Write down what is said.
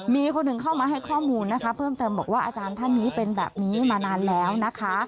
มีคนหนึ่งเข้ามาให้ข้อมูลนะคะเพิ่มเติมบอกว่าอาจารย์ท่านนี้เป็นแบบนี้มานานแล้วนะคะ